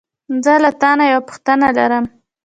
زه له تا نه یوه پوښتنه لرم.